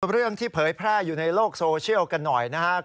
เรื่องที่เผยแพร่อยู่ในโลกโซเชียลกันหน่อยนะครับ